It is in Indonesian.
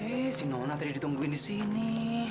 eh si nona tadi ditungguin disini